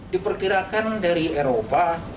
diperkirakan dari eropa